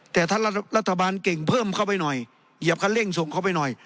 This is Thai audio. แต่ถ้ารัฐบาลเก่งเพิ่มเข้าไปหน่อยเหยียบคันเร่งส่งเข้าไปหน่อย